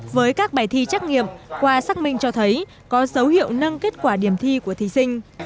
với các bài thi trắc nghiệm qua xác minh cho thấy có dấu hiệu nâng kết quả điểm thi của thí sinh